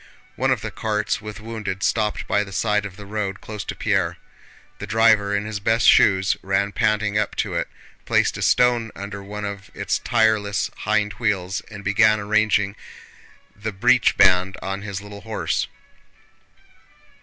One of the carts with wounded stopped by the side of the road close to Pierre. The driver in his bast shoes ran panting up to it, placed a stone under one of its tireless hind wheels, and began arranging the breech band on his little horse.